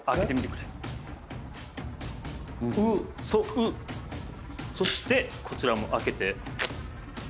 「ウ」そしてこちらも開けて。